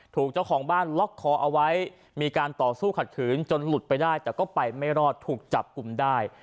ถูกเจ้าของบ้านล็อกคอเอาไว้มีการต่อสู้ขัดขืนจนหลุดไปได้แต่ก็ไปไม่รอดถูกจับกลุ่มได้